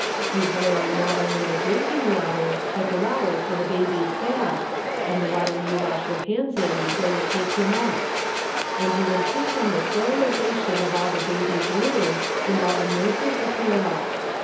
You boil not only the drinking water, but the water for the baby's bath, and the water you wash your hands in before you take him up; and you insist on the sterilization of all the baby's linen, and all the nurse's apparel.